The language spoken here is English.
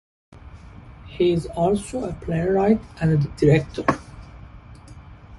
He is also a playwright and director.